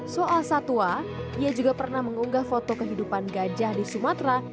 soal satwa ia juga pernah mengunggah foto kehidupan gajah di sumatera